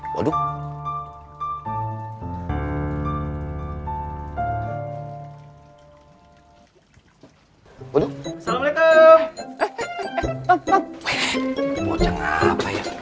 weh boceng apa ya